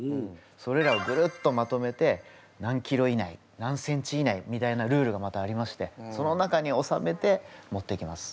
それらをグルッとまとめて何ｋｇ以内何ｃｍ以内みたいなルールがまたありましてその中に収めて持っていきます。